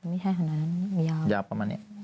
ไม่ใช่ขนาดนั้นยาวประมาณนี้